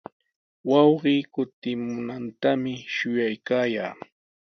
Wawqii kutimunantami shuyaykaa.